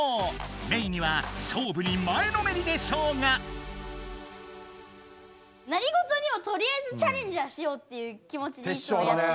メイには「勝負に前のめりで賞」が！何ごとにもとりあえずチャレンジはしようっていう気もちでいつもやってる。